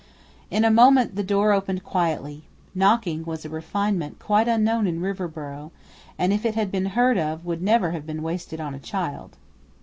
In a moment the door opened quietly. Knocking was a refinement quite unknown in Riverboro, and if it had been heard of would never have been wasted on a child.